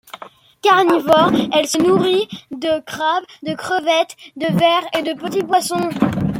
Carnivore, elle se nourrit de crabes, de crevettes, de vers et de petits poissons.